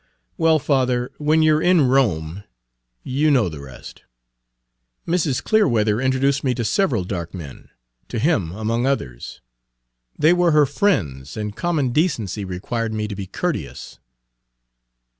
"Well, father, 'when you're in Rome' you know the rest. Mrs. Clearweather introduced me to several dark men, to him Page 108 among others. They were her friends, and common decency required me to be courteous."